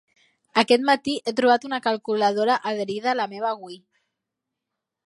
Aquest matí he trobat una calculadora adherida a la meva Wii.